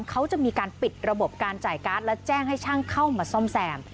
เขาจะมีการปิดระบบการจ่ายการ์ดและแจ้งให้ช่างเข้ามาซ่อมแซม